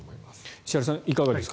石原さん、いかがですか？